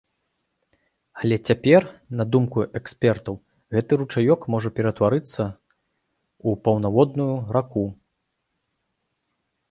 Але цяпер, на думку экспертаў, гэты ручаёк можа ператварыцца ў паўнаводную раку.